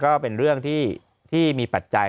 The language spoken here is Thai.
ก็เป็นเรื่องที่มีปัจจัย